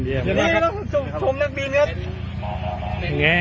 เดี๋ยวนี้ก็ต้องชมนักบีเงิน